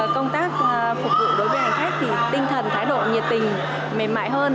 công tác phục vụ đối với hành khách thì tinh thần thái độ nhiệt tình mềm mại hơn